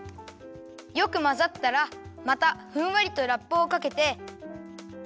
よくまざったらまたふんわりとラップをかけて。